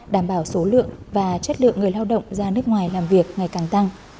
đảm bảo số lượng và chất lượng người lao động ra nước ngoài làm việc ngày càng tăng